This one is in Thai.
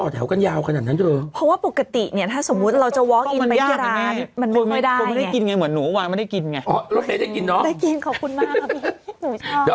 เดี๋ยวพรุ่งนี้ค่อยไปพรุ่งนี้จะยกกระชาพาไปมูเนี่ย